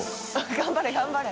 頑張れ頑張れ。